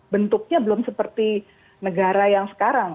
bentuknya belum seperti negara yang sekarang